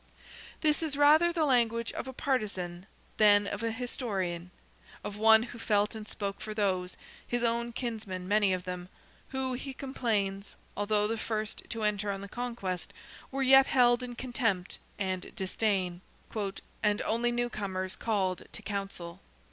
This is rather the language of a partizan than of an historian; of one who felt and spoke for those, his own kinsmen many of them, who, he complains, although the first to enter on the conquest, were yet held in contempt and disdain, "and only new comers called to council."